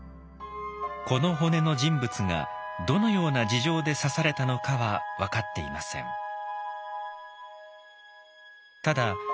この骨の人物がどのような事情で刺されたのかは分かっていません。